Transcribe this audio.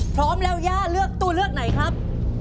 พร้อมแล้วย่าเลือกตัวเลือกไหนครับ